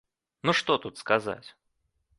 Ну што тут сказаць?